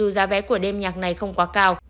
giá vé của đêm nhạc này không quá cao